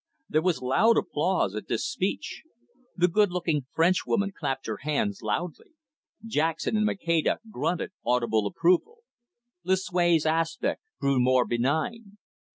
There was loud applause at this speech. The good looking Frenchwoman clapped her hands loudly. Jackson and Maceda grunted audible approval. Lucue's aspect grew more benign.